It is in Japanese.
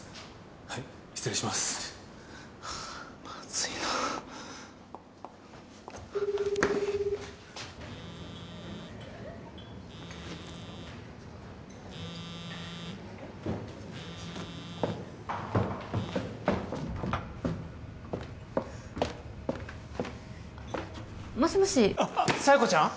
はい失礼しますはあまずいなもしもし佐弥子ちゃん？